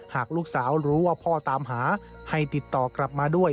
หากลูกสาวรู้ว่าพ่อตามหาให้ติดต่อกลับมาด้วย